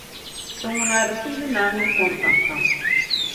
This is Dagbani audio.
dinŋuna di simdi ni a nyuri kom pampam.